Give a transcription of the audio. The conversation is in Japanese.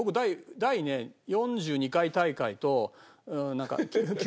第４２回大会で。